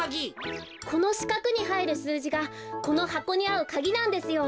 このしかくにはいるすうじがこのはこにあうかぎなんですよ。